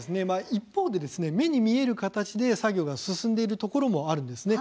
一方でですね、目に見える形で作業が進んでいるところもあるんですね。